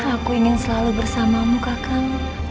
aku ingin selalu bersamamu kakak